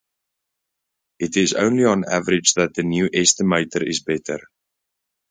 It is only on average that the new estimator is better.